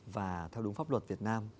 và theo đúng pháp luật việt nam